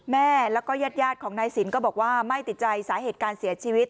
แม่แล้วก็ญาติของนายสินก็บอกว่าไม่ติดใจสาเหตุการเสียชีวิต